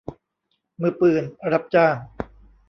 มือปืนรับจ้าง